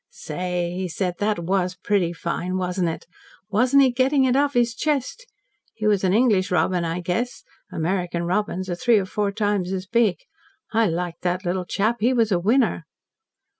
"Say," he said, "that was pretty fine, wasn't it? Wasn't he getting it off his chest! He was an English robin, I guess. American robins are three or four times as big. I liked that little chap. He was a winner."